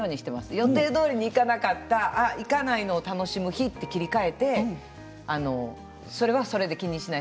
予定どおりにいかなかったいかないのを楽しむ日と切り替えてそれはそれで気にしない。